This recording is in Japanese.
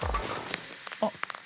あっ。